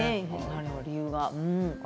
理由が。